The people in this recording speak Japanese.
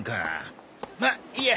まっいいや。